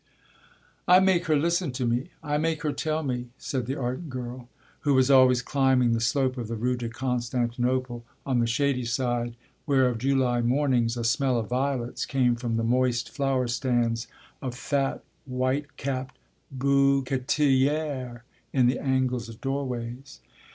"I make her listen to me I make her tell me," said the ardent girl, who was always climbing the slope of the Rue de Constantinople on the shady side, where of July mornings a smell of violets came from the moist flower stands of fat, white capped bouquetières in the angles of doorways.